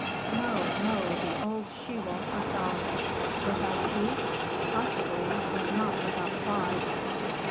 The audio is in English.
"No, no; the old she wolf herself." "Without teeth?" "Possibly, but not without claws."